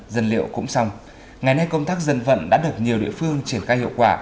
dân liệu cũng xong ngày nay công tác dân vận đã được nhiều địa phương triển khai hiệu quả